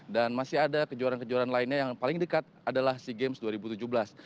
dan masih ada kejuaraan kejuaraan lainnya yang paling dekat adalah sea games dua ribu tujuh belas